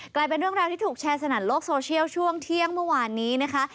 กลายเป็นเรื่องราวที่ถูกแชร์สนั่นโลกโซเชียลช่วงเที่ยงเมื่อวานนี้นะคะ